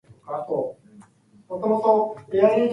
Odin is the chief of Asagarth.